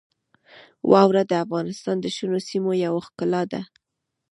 واوره د افغانستان د شنو سیمو یوه ښکلا ده.